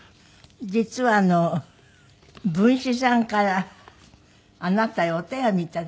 実は文枝さんからあなたへお手紙頂いて。